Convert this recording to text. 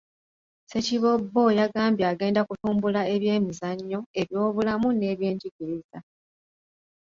Ssekiboobo yagambye agenda kutumbula ebyemizannyo, ebyobulamu n'ebyenjigiriza.